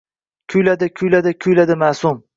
Kuyladi, kuyladi, kuyladi ma’sum.